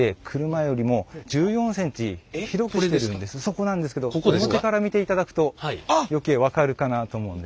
そこなんですけど表から見ていただくと余計分かるかなと思うんですが。